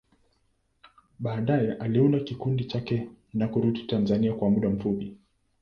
Baadaye, aliunda kikundi chake na kurudi Tanzania kwa muda mfupi.